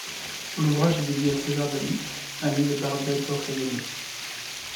L'ouvrage est dédié à César Daly, ami de Barbey d'Aurevilly.